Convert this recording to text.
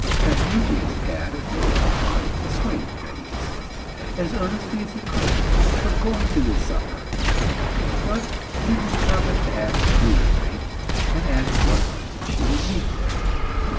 Paphnutius had at first a thought of dissuading Thais, as earnestly as he could, from going to this supper. But he determined to act prudently, and asked what persons she would meet there.